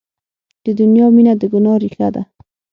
د دنیا مینه د ګناه ریښه ده.